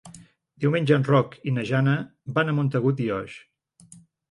Diumenge en Roc i na Jana van a Montagut i Oix.